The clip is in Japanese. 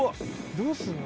どうすんの？